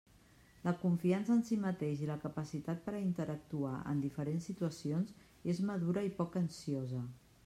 La confiança en si mateix i la capacitat per a interactuar en diferents situacions és madura i poc ansiosa.